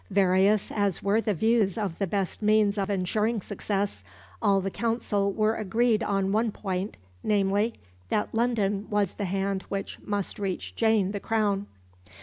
Various as were the views of the best means of ensuring success, all the Council were agreed on one point, namely, "that London was the hand which must reach Jane the crown."